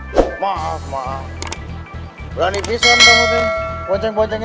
besokdlemu berikan kesempatan dia destructive